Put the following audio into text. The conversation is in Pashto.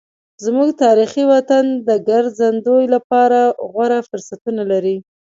زموږ تاریخي وطن د ګرځندوی لپاره غوره فرصتونه لري.